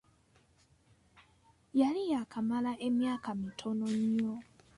Yali yaakamala emyaka mitono nnyo.